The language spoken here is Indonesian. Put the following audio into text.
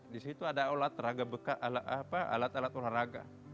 di situ ada alat alat olahraga